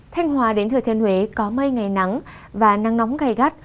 thanh hòa đến thừa thiên huế có mây ngày nắng và nắng nóng gai gắt